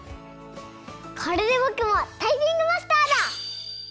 これでぼくもタイピングマスターだ！